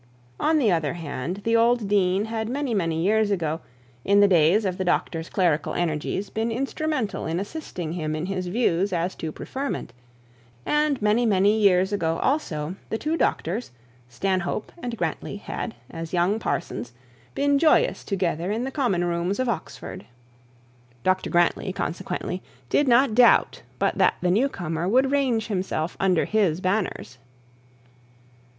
On the other hand, the old dean had many many years ago, in the days of the doctor's clerical energies, been instrumental in assisting him in his views as to preferment; and many many years ago also, the two doctors, Stanhope and Grantly, had, as young parsons, been joyous together in the common rooms of Oxford. Dr Grantly, consequently, did not doubt but that the new comer would range himself under his banners.